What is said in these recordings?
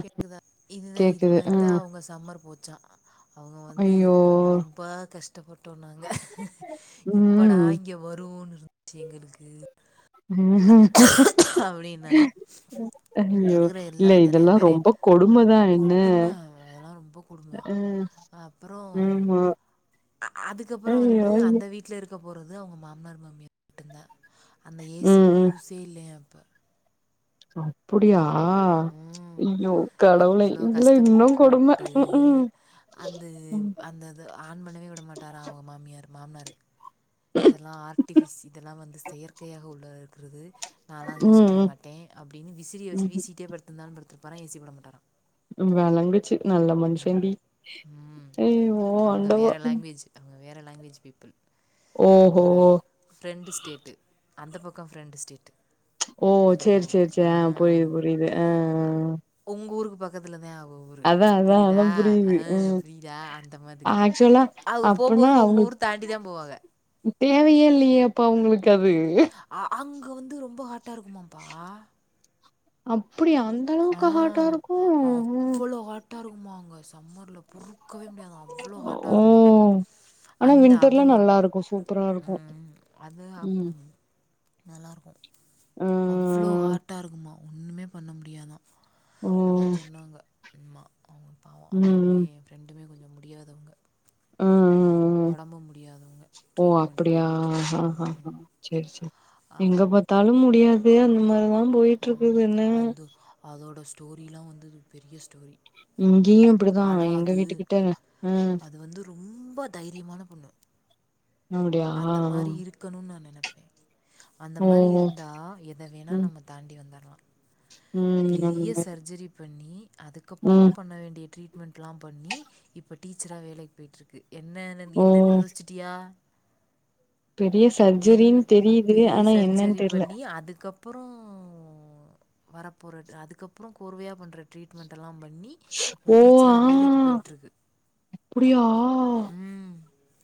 கேக்குதா இதுதா இது மாரித்தா அவுங்க சம்மர் போச்சா அவுங்க வந்து ரொம்ப கஷ்டப்பட்டோ நாங்க எப்படா இங்க வருவோனு இருந்துச்சு எங்களுக்கு உஹம் அப்டினாங்க இங்க இருக்கிற எல்லா நறையா பேரு கொடுமை அதெல்லா ரொம்ப கொடுமை அப்ரோ அ அ அதுக்கப்புறம் வந்து அந்த வீட்டல இருக்கப் போறது அவங்க மாமனார் மாம்மிய மட்டும்தா அந்த ஏசிக்கு யூஸே இல்லயாப்ப அப்புடியா ஐயோ கடவுளே இதுல இன்னு கொடும அது ஆன் பண்ணவே விட மாட்டாராம் அவுங்க மாமியாரு மாமனாருக்கு இதெல்லா ஆர்ட்டிஃபிஷ் இதெல்லா வந்து செயற்கையாக உள்ள இருக்கிறது நாலா அது யூஸ் பண்ண மாட்டே அப்டின்னு விசிறிய வச்சு வீசிட்டே படுத்திருந்தாலு படுத்துருப்பாரா ஏசி போட மாட்டாறா விளங்குச்சு நல்ல மனுஷன்டி அய்யோ ஆண்டவா அவுங்க வேற லாங்குவேஜ் பீப்புள் நம்மளோட ஃப்ரெண்டு ஸ்டேட்டு அந்த பக்கோ ஃப்ரெண்டு ஸ்டேட்டு ஓ சேரி சேரி சேரி ஆ புரியுது புரியுது ஆ ஆ உங்க ஊருக்கு பக்கத்துல தா அவ அவுக போம் போது உங்க ஊருக் தாண்டி தா போவாங்க தேவயே இல்லயே அப்ப அவுங்களுக்கு அது ஆ அங்க வந்து ரொம்ப ஹாட்டா இருக்குமாப்பா அப்டியா அந்த அளவுக்கா ஹாட்டா இருக்கு ட்டா இருக்குமா அங்க சம்மர்ல பொறுக்கவே முடியாதா அவ்வளோ ஹாட்டா இருக்குமா அந்த அவுங்க ஒரு [unintelligible] சூப்பரா ஆ அது அப் நல்லாருக்கு அவ்வளோ ஹார்ட் டா இருக்குமா ஒன்னுமே பண்ண முடியாதா அதா சொன்னா எங்கம்மா அவங்க பாவோ அவுங்களுமே என் ஃப்ரெண்டுமே கொஞ்சோ முடியாதவங்க ம் ஒடம்பு முடியாதவுங்க ஓ அப்படியா ஹ ஹ ஹ சேரி சேரி எங்க பாத் தளு முடியாது அந்த மாரிதாம் போயிட்டு இருக்குது இன்ன அதோட ஸ்டோரில்லா வந்து ஒரு பெரிய ஸ்டோரி இங்கியு இப்டிதா எங்க வீட்டு கிட்ட ஆ ரொம்ப தைரியமான பொண்ணு அந்த மாதிரி இருக்கணுன்னு நா நெனைப்பே அந்த மாரி இருந்தா எத வேணா நம்ம தாண்டி வந்தடலா பெரிய சர்ஜரி பண்ணி அதுக் அக்கப்புறோ பண்ண வேண்டிய ட்ரீட்மெண்ட்லா பண்ணி இப்போ டீச்சரா வேலைக்கு போயிட்டுருக்கு என்ன என்ன என்னன்னு யோசிச்சிட்டியா பெரிய சர்ஜரினு தெரியுது ஆனா என்னன்னு தெர்ல எ அதுக்கப் புறோ வரப்போறது அதுக்கப்புறோ கோர்வையா பண்ற ட்ரீட்மெண்டெல்லா பண்ணி ஓ ஆ அப்டியா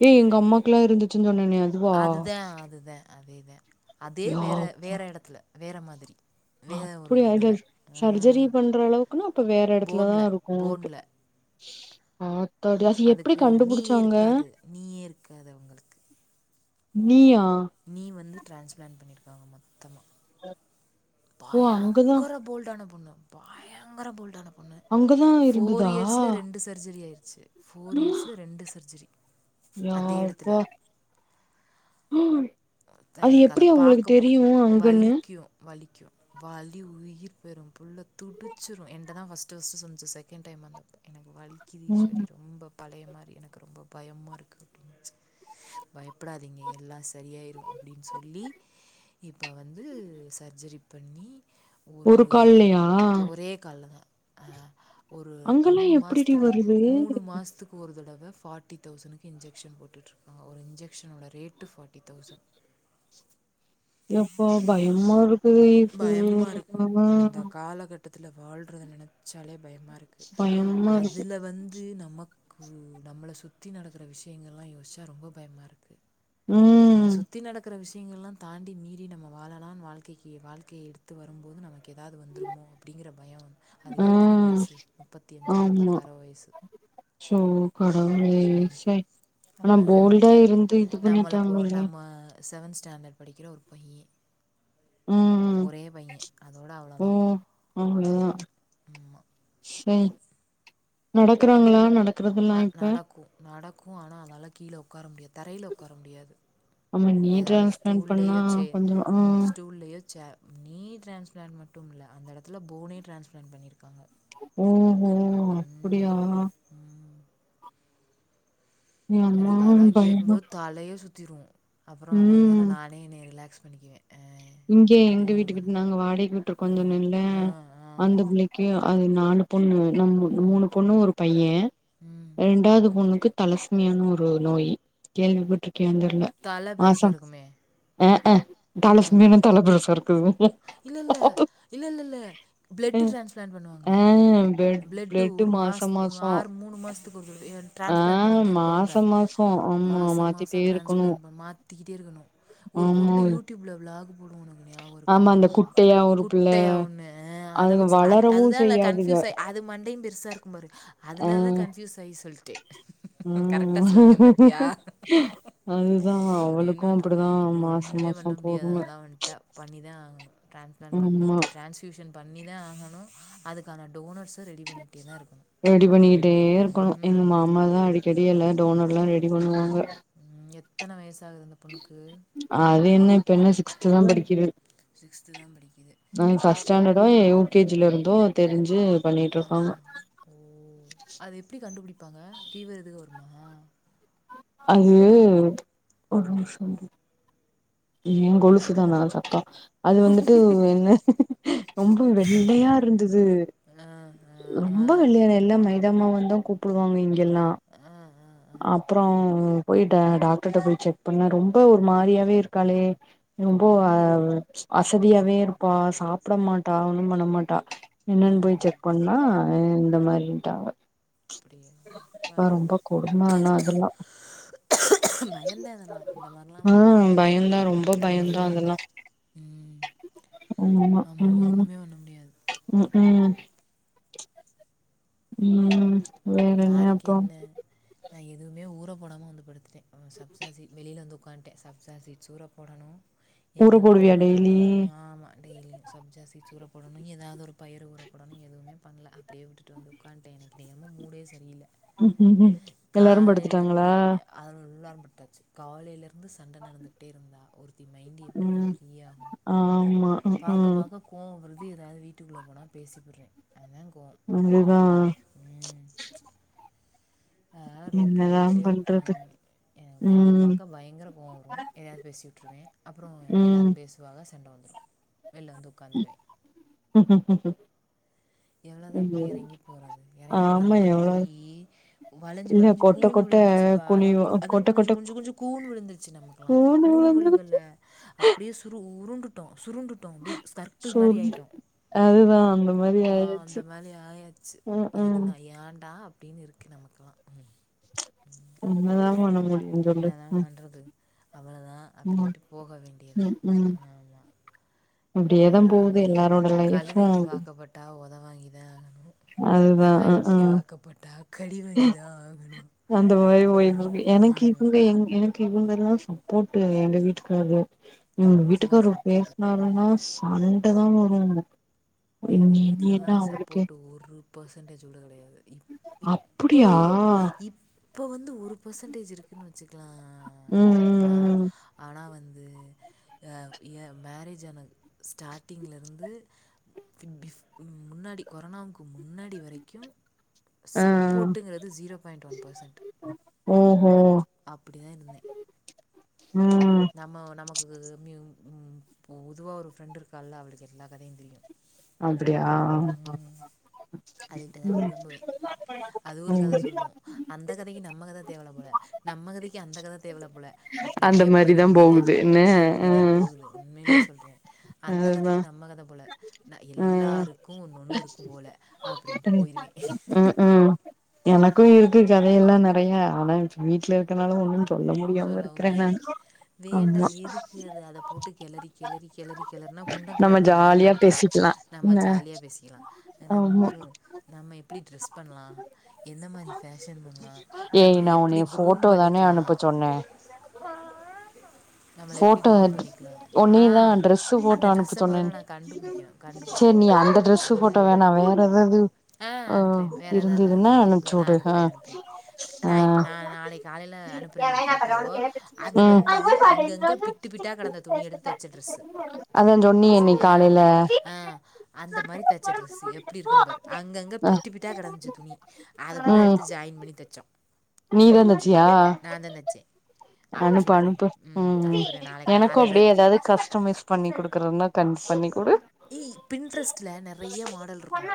ஏய் எங்க அம்மாக்குல்லா இருந்துச்சு சொன்னேனே அதுவா அதுதா அதேதா அதே வேற வேற எடத்துல வேற மாதிரி அப்டியா இதுல சர்ஜரி பண்ற அளவுக்குன்னா அப்ப வேற எடத்துலதா இருக்கு ஒகே ஆ அதுக்கு நீயே இருக்காது நீயே இருக்காது அவங்களுக்கு நீயா நீ வந்து ட்ரான்ஸ்பிளான்ட் பண்ணியிருக்காங்க மொத்தமா அ பயங்கர போல்டான பொண்ணு பயங்கர போல்டான பொண்ணு ஃபோர் இயர்ஸ்ல ரெண்டு சர்ஜரி ஆயிடுச்சு ஃபோர் இயர்ஸ்ல ரெண்டு சர்ஜரி யாபா ஹ்ம் த்த எனக்கு அத பாக்க பாக்க வலிக்கு வலிக்கு வாலி உயிர் போயிரு புள்ள துடிச்சுரு என்ட்ட தா ஃபர்ஸ்ட்டு ஃபர்ஸ்ட்டு சொல்ச்சு செகண்ட் டைம் வந்த எனக்கு வலிக்குது ஈஸ்வரி ரொம்ப பழைய மாரி எனக்கு ரொம்ப பயமா இருக்கு அப்டின் ‌ச் பயப்படாதீங்க எல்லாச் சரியாயிரு அப்டின்னு சொல்லி இப்போ வந்து சர்ஜரி பண்ணி ஒரு ஒரே காலல தா ஆ ஒரு மூணு மாச்த்துக்கு மூணு மாச்த்துக் ஒரு தடவ ஃபோர்டி தௌசணுக்கு இன்ஜெக்ஷன் போட்டுட்ருக்காங்க ஒரு இன்ஜெக்ஷன்னோட ரேட்டு ஃபோ டி தௌசண் எப்பா பயமா இருக்கு [unintelligible] இதானா பத்துல வாழ்றத நெனைச்சாலே பயமா இருக்கு அதுல வந்து நமக் கு நம்மள சுத்தி நடக்குற விஷயங்கள்லா யோச்சா ரொம்ப பயமா இருக்கு ம் இந்த சுத்தி நடக்குற விஷயங்கள்லா தாண்டி மீறி நம்ம வாழலான் வாழ்க்கைக்கு வாழ்க்கைய எடுத் த்து வரும்போது நமக்கு ஏதாது வந்துருமோ அப்டிங்கிற பய வந் அதுக்கு எத்தன வயசு முப்பத்தி அஞ்சோ முப்பத்தாறோ வயசு ச்சோ கடவுளே சை ஆனா போல்டா இருந்து இது பண்ணிட்டாங்கல்ல அவ செவன்த் ஸ்டாண்டர்ட் படிக்கிற ஒரு பைய ஒரே பைய அதோட அவ்ளோதா ஆம்மா சை நடக்குறாங்களா நடக் அ நடக்கு நடக்கு ஆனா அதால கீழ உக்கார முடியாது தரையில உக்கார முடியாது ஏதாவது ஸ்டூல்லயே சே ம் ஸ்டூல்லயே சே நீ் ட்ரான்ஸ்பிளான்ட் மட்டும் இல்ல அந்த எடத்துல போனே ட்ரான்ஸ்ப்ளான்ட் பண்ணியிருக்காங்க ஓஹோ அப்படியா ம் எனக்கு அதலா கேக்கும் போ தலையே சுத் திரு அப்புறோ கொஞ்ச நேர நானே என்னைய ரிலாக்ஸ் பண்ணிக்குவே ஆ இங்கே எங்க வீட்டுக்கிட் நாங்க வாடகைக்கு விட்ருக்கோன் சொன்னேல்ல அந்த பிள்ளைக்கு அது நாலு பொண்ணு நம் மூணு பொண்ணு ஒரு பைய ரெண்டாவது பொண்ணுக்கு தலஸ்மியானு ஒரு நோயி கேள்விப்பட்ருக்கியான் தெர்ல தல பெருசா இருக்குமே ஆ அ தலஸ்மியானா தல பெருசா இருக்கு இல்லல்ல இல்லல்லல்ல ப்ளட்டு ட்ரான்ஸ்பிளான்ட் பண்ணுவாங்களே பிளட்டு ஒரு மாச ஆறு மூணு மாசத்துக்கு ஒரு தடவ ட்ரான்ஸ்பிளான்ட் பண்ணிக்கிட்டே இருப்பாங்க மாச மாசம் ட்ரான்ஸ்பிளான்ட் பண் மாத்திக்கிட்டே இருக்கணு ஒரு பொண்ணு யூடியூப்ல விளாக் போடு [unintelligible] நியபாகருக்க குட்டையா ஒண்ணு ஆ அத வச்சு அத் அதுதான்ல கன் யூஸ்சாயி அது மண்டையும் பெருசாருக்கு பாரு அதுல தா கன்பியூசாயி சொல்ட கரெக்டா சொல்ட்டே பத்தியா என்ன பன்றது ஒண்ணுமே பண்ண முடியாது அதலா வன்டா பண்ணிதா ஆகணு டிரான்ஸ்ப்ளான்ட் பண்ணிது டிரான்ஸ் டியுஷன் பண்ணிதா ஆகணு அதுக்கான டோனர்ஸ் ரெடி பண்ணிக்கிட்டே இருக்கணு எங்க மாமா தா அடிக் கடி எல்லா டோனர்லா ரெடி பண்ணுவாங்க ம் எத்தன வயசாகுது அந்த அது என்ன இப்பென்ன சிக்ஸ்துதா படிக்குது அவிங் ஃபர்ஸ்ட் ஸ்டாண்டர்டோ யு கே ஜில இருந்தோ தெரிஞ்சு பண்ணிட்ருக்காங்க ஓ அது எப்டி கண்டுபிடிப்பாங்க ஃபீவர் எதும் வருமா அது ஒரு நிமிஷோ டி என் கொலுசுதானா சத்தோ அது வந்துட்டு என்ன ரொம்ப வெள்ளையா இருந்தது ரொம்ப வெள்ளாயான எல்லா மைதா மாவுன்தா கூப் டுவாங்க இங்கெல்லா அப்புறோ போயி டா டாக்டர்ட்ட போய் செக் பண்ணா ரொம்ப ஒரு மாரியாவே இருக்காளே ரொம்போ ஆ அசதியாவே இருப்பா சாப்ட மாட்டா ஒன்னும் பண்ண மாட்டா என்னன்னு போய் செக் பண்ணா இந்த மாரின்டாங்க ப்பா ரொம்ப கொடும ஆனா அதல்லா பயந்தான் இதல்லா இந்த மாரிலா வண்டா பய பயந்தான் ரொம்ப பயந்தான் அதல்லா ஆமாம்மா ம் ம் ம் ம் வேறென்னே அப்றோ நா எதுவுமே ஊற போடாம வந்து படுத்துட்டே சப்சா சீட் வெளில வந்து உக்கான்டே சப்சா சீட்ஸ் ஊற போடணு என்னென்ன ஊற போடணு ஆமா டெய்லியு சப்ஜா சீட்ஸ் ஊறப்போடணு ஏதாவது ஒரு பயிற ஊற போடணு எதுவுமே பண்ணல அப்டியே விட்டுட்டு வந்து உட்காட்டு எனக்கு இணைக்கென்னமோ மூடே சரியில்ல எல்லாரு படுத்துட்டாங்களா அதெல்லாரும் படுத்தாச்சு காலையிலருந்து சண்ட நடந்துக்கிட்டே இருந்தா ஒருத்தி மைண்ட்டு அப்டித்தா ப்ரீ ஆகு ஆமா பாக்க பாக்க கோவ வருது ஏதாவது வீட்டுக்குள்ள போனா பேசிபுட்ற அதுதா கோ பயம் இதுவாருக்கு ம் தா ரோட்ல வீட்லயே உட்கான் எனக் பாக்க பாக்க பயங்கர கோவ வரு எதயாது பேசிவுட்ருவே அப்றோ எல்லோரு பேசு வாங்க சண்ட வந்துரு வெள்ள வந்து உஹ உஹ எவ்வளோதான்ப்பா எறங்கி போறது எறங்கி போய் எறங்கி போய் வ வளைஞ்சி வளைஞ்சி கூன் விழுந்துருச்சுப்பா அத அதா குனிஞ்சு குனிஞ்சு குனிஞ்சு கூன் விழுந்துருச்சு நமக்கெல்லா கூன் விழுகள அப்டியே சுரு உருண்டுட்டோ சுருண்டுட்டோ அப்டி சற்கிள் மாரி ஆயிட்டோ அதுதா அங்க ஆ அந்த [unintelligible] ஆயாச்சு எதுனா ஏன்டா அப்டின்னு இருக்கு நமக்கல்லா என்னதா பண்றது அவ்ளாதா அப்டின்ட்டு போக வேண்டியது தா ஆமா கா அதாவது கழுதிக்கு வாக்கப்பட்டா ஒதவாங்கிதா ஆகணூ நாய்க்கி வாக்கப்பட்டா கடிவங்கிதா ஆகணூ இது எனக்கு இங்கெ எனக் இவங்கல்லா சப்போர்ட்டு எங்க வீட்டுக்காரரு எங்க வீட்டுக்காரரு பேசினாருன்னா சண்டதா வரூ எனக் எங்க வீட்லலா சப்போர்ட்டு ஒரு பெர்சன்டேஜ் கூட கெடையாது இப் இப் இப்போ இப் இப்போ வந்து ஒரு பர்சன்டேஜ் இருக்குன்னு வச்சுக்கலா ம்ப்பா ஆனா வந்து ஏ ஏ மேரேஜான ஸ்டார்ட்டிங்லேர்ந்து ம் பீஃஷ் முன்னாடி கொரோனாவுக்கு முன்னாடி வரைக்கூ சப்போர்டு இங்கிறது ஜீரோ பாயிண்ட் ஒன் பர்சன்ட் அப்படிதா இருந்தே ம் நம்ம நமக்கு ம்யூ பொதுவா ஒரு பிரெண்ட் இருக்காள்ல அவளுக்கு எல்லா கதையூ தெரியூ அப்படியா ம் ம் அந்த கதைக்கி நம்ம கத தேவல போல நம்ம கதைக்கி அந்த கத தேவல போல அந்த மார்த் பெய்ற வேண்டியத்தா அ அப்படிதா போகுது உண்மையிலே சொல்றே அந்த கதைக்கு நம்ம கத போல நா எல்லாருக்கூ ஒன்னு ஒண்ணு இருக்கும் போல அப்டின்ட்டு போயிருவே எனக்கூ இருக்கு கதையெல்லா நெறய ஆனா வீடல இருக்கனால ஒன்னூ சொல்ல முடியாம இருக்கிறேனானூ ஆமா இப்ப போட்டு கேலரி கேலரி கெளறி கெளறுனா புண்டம் கெளறன மாரிதா நமக்கெலா நம்ம ஜாலியா பேசிக்கலா நம் பூ நம்ம எப்டி ட்ரெஸ் பண்ணலா எந்த மாதிரி ஃபேஷன் பண்ணலா நம்மள எப்படி குரூம் பண்ணிக்கலா சொன்னே நம்மள எப்படி குரூம் பண்ணிக்கலா ஆ அந்த ட்ரெஸ்ஸெ முதல்ல நா கண்டுபிடிக்கணூ கண்டுபிடிக்கிறே ம் ஆ அனுப்புறே வேற ஏதாவது அனுப்புறே இருந் நா அனுப்புறே அனுப்புறே நா இப்ப நா நாளைக் காலையில அனுப்புறே ஒரு ஃபோட்டோ அது வந்து அங் கங்க பிட்டு பிட்டா கெடந்த துணி எடுத்து தச்ச டிரெஸ் அதே சொன்னியே நீ காலய்யில ஆ அந்த மாரி தச்ச டிரெஸ்சு எப்படி இருக்கும் பாரு அங்கங்க பிட்டு பிட்டா கெடந்ச்சு துணி அதுப்பூறா எடுத்து ஜாயின் பண்ணி தச்சோ ம் நா தா தச்சே அனுப்பு அனுப்பு ம் ம் எனக்கூ அப்படியே அத ஏது கஸ்டமைஸ் பண்ணி கொடுக்கறதுன்னா கட் கம்மி பண்ணி குடு ஏய் பின்ட்ரெஸ்ட்ல நெறய மாடல் இருக்கூ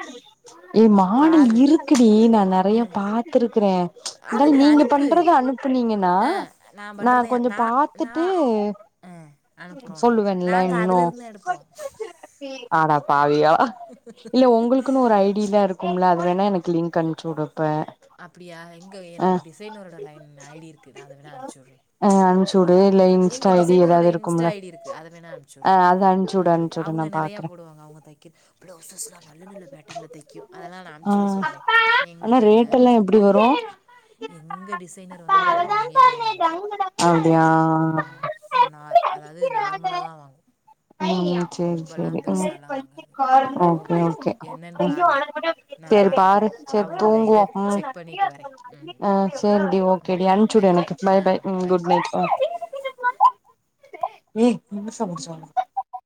ஏ மாடல் இருக்குடி நா நெறய பாத்துருக்கிறே இருந்தாலூ நீங்க பண்றத அனுப்புனீங்கன்னா நா கொஞ்சோ பார்த்துட்டு சொல்லுவேன்ல இன்னூ அட பாவிகளா இல்ல உங்களுக் னக்குனு ஒரு ஐ டிலா இருக்கும்ல்ல அது வேணா எனக்கு லிங்க் அனுப்பிச்சு விடு இப்போ அப்படியா எங்க என்னோட டிசைனரோட லைன் ஐ டி இருக்கு அது வேணா அனுப்புச்சுவிட்றே எங்க டிசைனரோட இன்ஸ்டா ஐடி இருக்கு அத வேணா அம்ச்சு விட்றே அ அவுங்க நெறையா போடுவாங்க அவுங்க தக்கெ ப்ளவுசஸ்லா நல்ல நல்ல பேட்டன்ல தெக்கு அதெல்லா நா அம்ச்சு விட சொல்றே எங்க எங்க டிசைனர் வந்து கொஞ்சொ கம்மியா தா வாங் அப்டியா ஒ நார் அதாவ்து நார்மலா தா வாங்கு ம் ம் சேரி சேரி ம் ஓகே ஓகே சேரி பாரு சேரி தூங்குவோ ம் அ சேரி டி ஓகே டி அன்ச்சு விடு எனக்கு பாய் பாய் ம் குட் நைட் அ